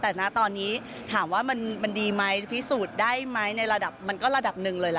แต่นะตอนนี้ถามว่ามันดีไหมพิสูจน์ได้ไหมในระดับมันก็ระดับหนึ่งเลยล่ะ